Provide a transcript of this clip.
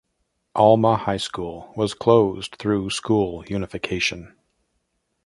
Alma High School was closed through school unification.